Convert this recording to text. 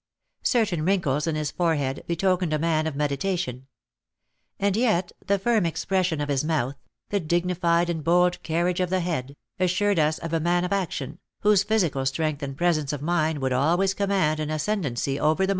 Certain wrinkles in his forehead betokened a man of meditation; and yet the firm expression of his mouth, the dignified and bold carriage of the head, assured us of the man of action, whose physical strength and presence of mind would always command an ascendancy over the multitude.